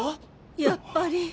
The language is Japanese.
やっぱり。